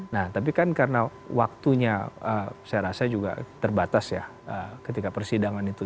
nah tapi kan karena waktunya saya rasa juga terbatas ya ketika persidangan itu